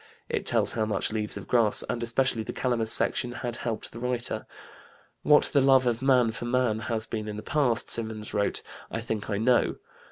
It tells how much Leaves of Grass, and especially the Calamus section, had helped the writer. "What the love of man for man has been in the past," Symonds wrote, "I think I know.